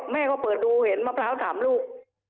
แม่ก็เปิดดูเห็นมะพร้าว๓ลูก